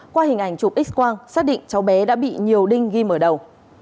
qua hình ảnh chụp x quang xác định cháu bé đã bị nhiều đinh ghi mở đầu